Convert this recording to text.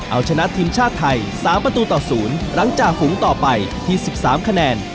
เอาชนะทีมชาติไทย๓ประตูต่อ๐หลังจากฝูงต่อไปที่๑๓คะแนน